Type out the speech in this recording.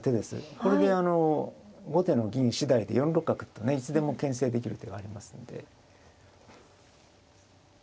これで後手の銀次第で４六角とねいつでもけん制できる手がありますんで。